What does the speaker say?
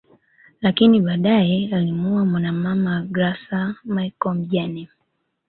Lakini badae alimuoa mwanamama Graca Michael mjane